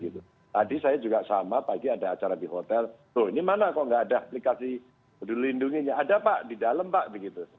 tadi saya juga sama pagi ada acara di hotel loh ini mana kok nggak ada aplikasi peduli lindunginya ada pak di dalam pak begitu